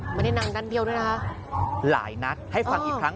ไม่ได้นั่งด้านเดียวด้วยนะคะหลายนัดให้ฟังอีกครั้ง